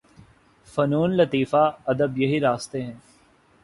فنون لطیفہ، ادب یہی راستے ہیں۔